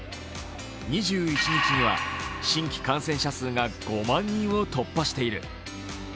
２１日には新規感染者数が５万人を突破している。